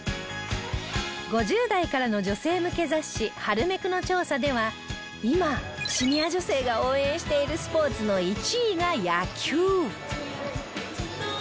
５０代からの女性向け雑誌『ハルメク』の調査では今シニア女性が応援しているスポーツの１位が野球